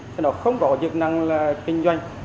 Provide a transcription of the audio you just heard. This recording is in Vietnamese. thế đó không có chức năng là kinh doanh